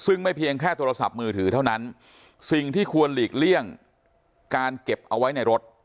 ซึ่งไม่เพียงแค่โทรศัพท์มือถือเท่านั้นสิ่งที่ควรหลีกเลี่ยงการเก็บเอาไว้ในรถ